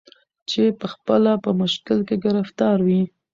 چي پخپله په مشکل کي ګرفتار وي